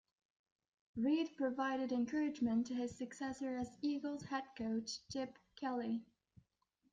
Reid provided encouragement to his successor as Eagles head coach, Chip Kelly.